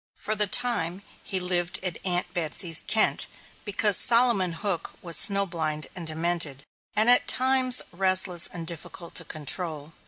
For the time, he lived at Aunt Betsy's tent, because Solomon Hook was snow blind and demented, and at times restless and difficult to control.